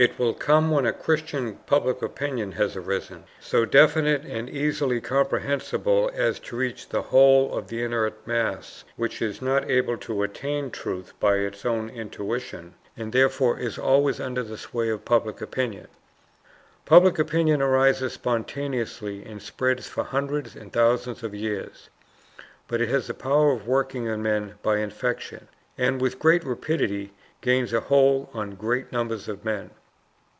It will come when a Christian public opinion has arisen, so definite and easily comprehensible as to reach the whole of the inert mass, which is not able to attain truth by its own intuition, and therefore is always under the sway of public opinion. Public opinion arises spontaneously and spreads for hundreds and thousands of years, but it has the power of working on men by infection, and with great rapidity gains a hold on great numbers of men.